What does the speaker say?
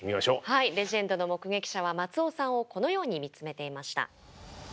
はいレジェンドの目撃者は松尾さんをこのように見つめていました。